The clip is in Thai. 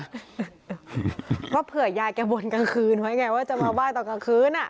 เพราะเผื่อยายแกบนกลางคืนไว้ไงว่าจะมาไหว้ตอนกลางคืน